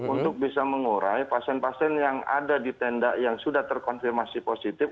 untuk bisa mengurai pasien pasien yang ada di tenda yang sudah terkonfirmasi positif